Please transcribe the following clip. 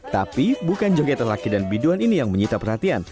tapi bukan joget laki dan biduan ini yang menyita perhatian